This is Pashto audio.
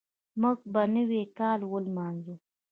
موږ به نوی کال ولمانځو.